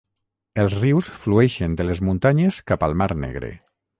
Els rius flueixen de les muntanyes cap al Mar Negre.